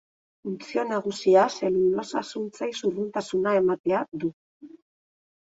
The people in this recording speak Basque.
Funtzio nagusia zelulosa‐zuntzei zurruntasuna ematea du.